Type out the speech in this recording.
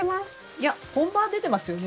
いや本葉が出てますよね。